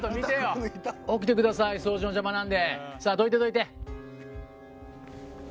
起きてください掃除の邪魔なんでさぁどいてどいて。